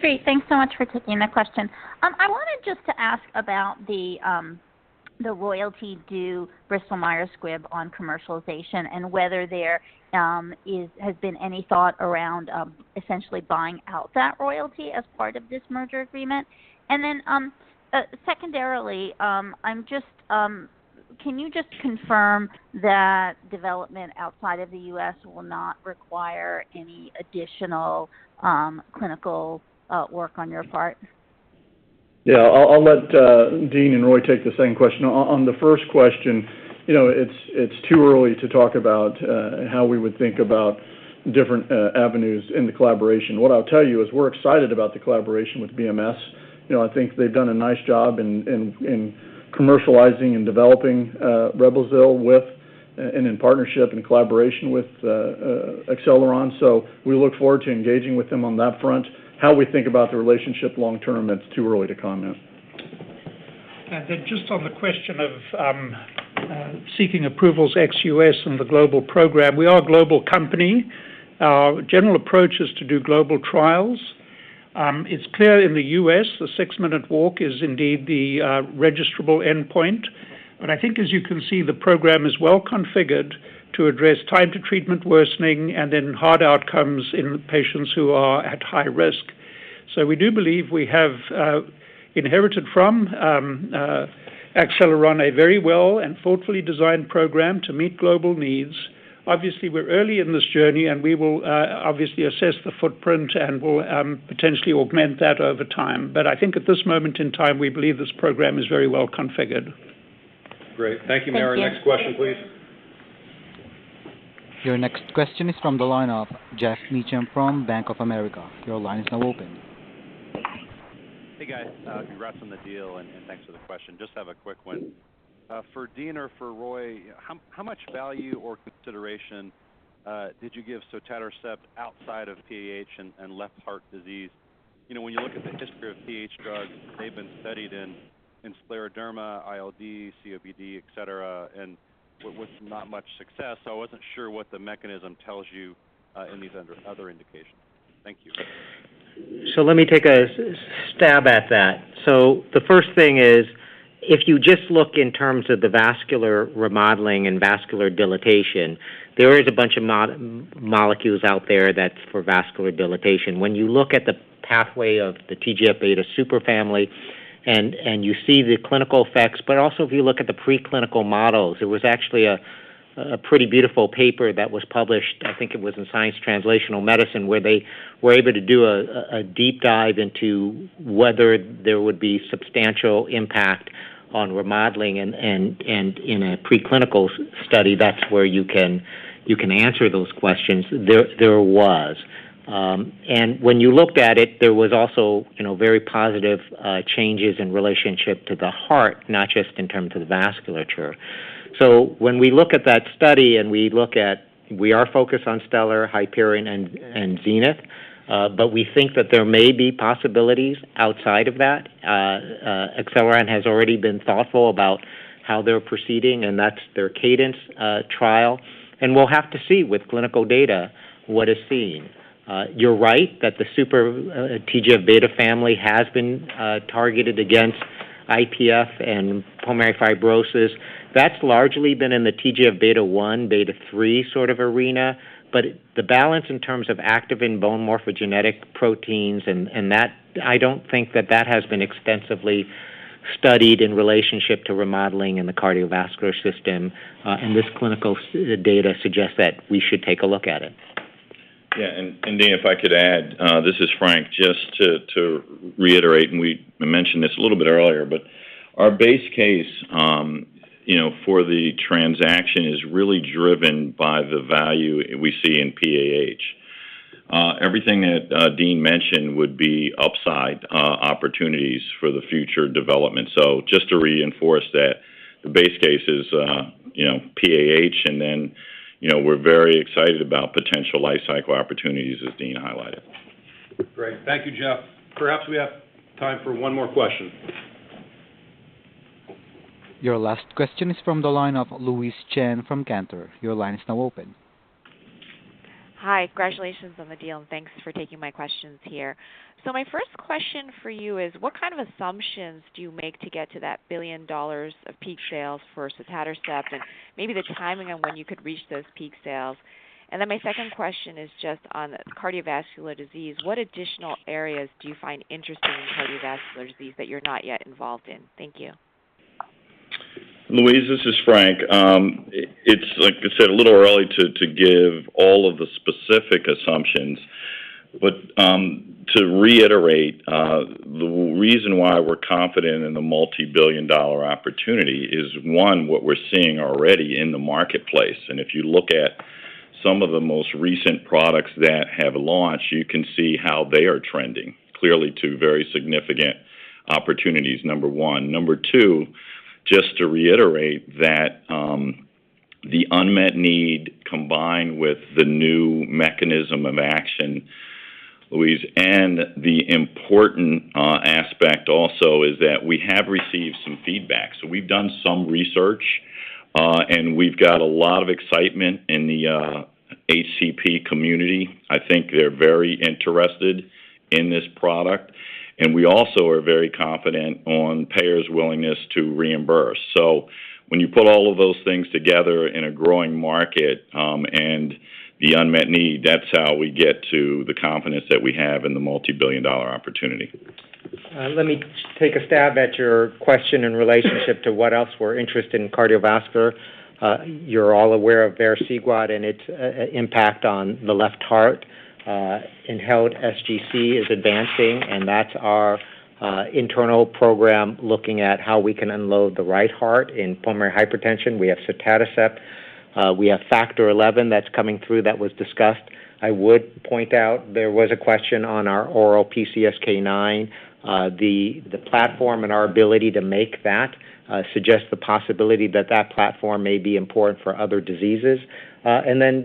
Great. Thanks so much for taking my question. I wanted just to ask about the royalty due Bristol Myers Squibb on commercialization and whether there has been any thought around essentially buying out that royalty as part of this merger agreement. Then secondarily, can you just confirm that development outside of the U.S. will not require any additional clinical work on your part? I'll let Dean and Roy take the same question. On the first question, it's too early to talk about how we would think about different avenues in the collaboration. What I'll tell you is we're excited about the collaboration with BMS. I think they've done a nice job in commercializing and developing Reblozyl with and in partnership and collaboration with Acceleron. We look forward to engaging with them on that front. How we think about the relationship long-term, it's too early to comment. Just on the question of seeking approvals ex-U.S. and the global program. We are a global company. Our general approach is to do global trials. It's clear in the U.S., the six-minute walk is indeed the registrable endpoint. I think as you can see, the program is well-configured to address time to treatment worsening and then hard outcomes in patients who are at high risk. We do believe we have inherited from Acceleron a very well and thoughtfully designed program to meet global needs. Obviously, we're early in this journey, and we will obviously assess the footprint, and we'll potentially augment that over time. I think at this moment in time, we believe this program is very well-configured. Great. Thank you, Mara. Next question, please. Your next question is from the line of Geoff Meacham from Bank of America. Your line is now open. Hey, guys. Congrats on the deal. Thanks for the question. Just have a quick one. For Dean or for Roy, how much value or consideration did you give sotatercept outside of PAH and left heart disease? When you look at the history of PAH drugs, they've been studied in scleroderma, ILD, COPD, et cetera, with not much success. I wasn't sure what the mechanism tells you in these other indications. Thank you. Let me take a stab at that. The first thing is, if you just look in terms of the vascular remodeling and vascular dilatation, there is a bunch of molecules out there that's for vascular dilatation. When you look at the pathway of the TGF-beta superfamily, and you see the clinical effects, but also if you look at the preclinical models. It was actually a pretty beautiful paper that was published, I think it was in "Science Translational Medicine," where they were able to do a deep dive into whether there would be substantial impact on remodeling. In a preclinical study, that's where you can answer those questions. There was. When you looked at it, there was also very positive changes in relationship to the heart, not just in terms of the vasculature. When we look at that study and we look at, we are focused on STELLAR, HYPERION, and ZENITH, but we think that there may be possibilities outside of that. Acceleron has already been thoughtful about how they're proceeding, and that's their CADENCE trial. We'll have to see with clinical data what is seen. You're right that the super TGF-beta family has been targeted against IPF and pulmonary fibrosis. That's largely been in the TGF-beta 1, beta 3 sort of arena. The balance in terms of activin bone morphogenetic proteins and that, I don't think that that has been extensively studied in relationship to remodeling in the cardiovascular system. This clinical data suggests that we should take a look at it. Yeah. Dean, if I could add, this is Frank. Just to reiterate, and we mentioned this a little bit earlier, but our base case for the transaction is really driven by the value we see in PAH. Everything that Dean mentioned would be upside opportunities for the future development. Just to reinforce that the base case is PAH, and then we're very excited about potential life cycle opportunities, as Dean highlighted. Great. Thank you, Geoff. Perhaps we have time for one more question. Your last question is from the line of Louise Chen from Cantor. Your line is now open. Hi. Congratulations on the deal, and thanks for taking my questions here. My first question for you is, what kind of assumptions do you make to get to that $1 billion of peak sales for sotatercept, and maybe the timing on when you could reach those peak sales? My second question is just on cardiovascular disease. What additional areas do you find interesting in cardiovascular disease that you're not yet involved in? Thank you. Louise, this is Frank. It's, like I said, a little early to give all of the specific assumptions. To reiterate, the reason why we're confident in the multibillion-dollar opportunity is, one, what we're seeing already in the marketplace. If you look at some of the most recent products that have launched, you can see how they are trending. Clearly to very significant opportunities, number one. Number two, just to reiterate that the unmet need combined with the new mechanism of action, Louise, the important aspect also is that we have received some feedback. We've done some research, and we've got a lot of excitement in the ACP community. I think they're very interested in this product, we also are very confident on payers' willingness to reimburse. When you put all of those things together in a growing market, and the unmet need, that's how we get to the confidence that we have in the multibillion-dollar opportunity. Let me take a stab at your question in relationship to what else we're interested in cardiovascular. You're all aware of vericiguat and its impact on the left heart. Inhaled sGC is advancing, that's our internal program, looking at how we can unload the right heart. In pulmonary hypertension, we have sotatercept. We have Factor XI that's coming through that was discussed. I would point out there was a question on our oral PCSK9. The platform and our ability to make that suggests the possibility that that platform may be important for other diseases.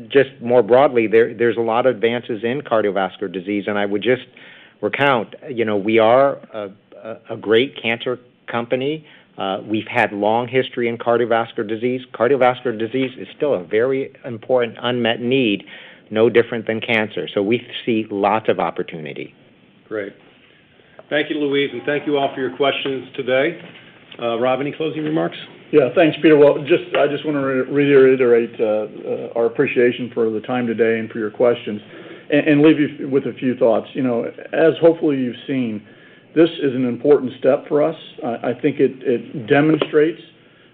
Just more broadly, there's a lot of advances in cardiovascular disease, I would just recount. We are a great cancer company. We've had long history in cardiovascular disease. Cardiovascular disease is still a very important unmet need, no different than cancer. We see lots of opportunity. Great. Thank you, Louise, and thank you all for your questions today. Rob, any closing remarks? Yeah. Thanks, Peter. Well, I just want to reiterate our appreciation for the time today and for your questions, and leave you with a few thoughts. As hopefully you've seen, this is an important step for us. I think it demonstrates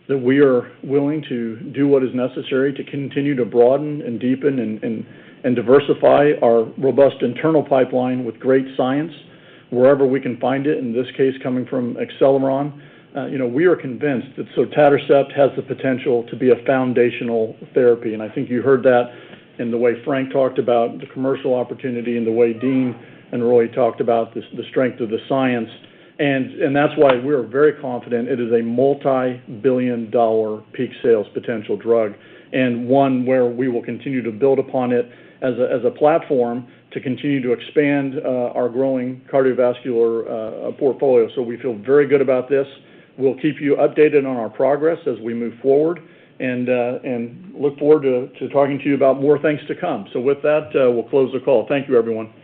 that we are willing to do what is necessary to continue to broaden and deepen and diversify our robust internal pipeline with great science wherever we can find it, in this case, coming from Acceleron. We are convinced that sotatercept has the potential to be a foundational therapy, and I think you heard that in the way Frank talked about the commercial opportunity and the way Dean and Roy talked about the strength of the science. That's why we're very confident it is a multibillion-dollar peak sales potential drug and one where we will continue to build upon it as a platform to continue to expand our growing cardiovascular portfolio. We feel very good about this. We'll keep you updated on our progress as we move forward and look forward to talking to you about more things to come. With that, we'll close the call. Thank you, everyone.